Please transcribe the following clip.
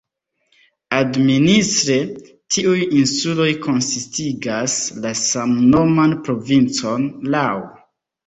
Administre tiuj insuloj konsistigas la samnoman provincon "Lau".